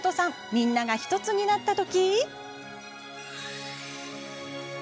みんなが１つになったとき。